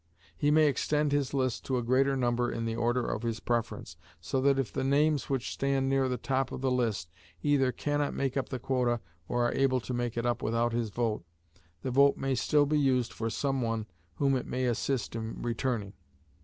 He may extend his list to a greater number in the order of his preference, so that if the names which stand near the top of the list either can not make up the quota, or are able to make it up without his vote, the vote may still be used for some one whom it may assist in returning.